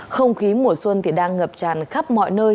không khí mùa xuân thì đang ngập tràn khắp mọi nơi